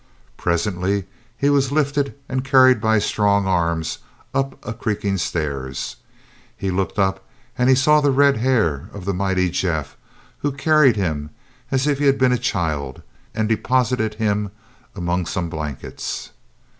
Presently he was lifted and carried by strong arms up a creaking stairs. He looked up, and he saw the red hair of the mighty Jeff, who carried him as if he had been a child, and deposited him among some blankets.